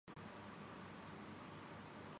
روایتی چھٹنی کی ترتیب